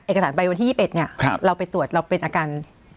เอกสารใบวันที่ยี่สิบเอ็ดเนี้ยครับเราไปตรวจเราเป็นอาการ